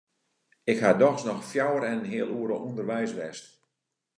Ik ha dochs noch fjouwer en in heal oere ûnderweis west.